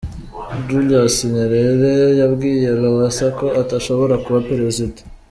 Julius Nyerere yabwiye Lowassa ko atashobora kuba Perezida.